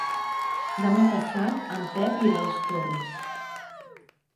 Demà passat en Pep irà als Torms.